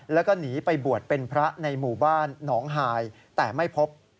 แล้วก็หนีไปบวชเป็นพระในหมู่บ้านหนองหายแต่ไม่พบ